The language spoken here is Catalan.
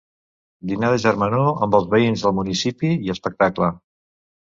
Dinar de germanor amb els veïns del municipi i espectacle.